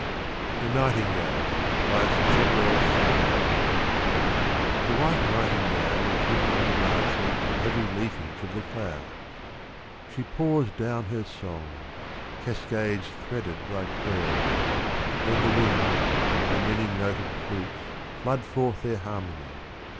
40 SACHEVERELL SIT WELL. THE NIGHTINGALE. THE white nightingale is hidden in the branches And heavy leafage of the clouds. She pours down her song — Cascades threaded like pearls, And the winds, her many noted flutes Flood forth their harmony.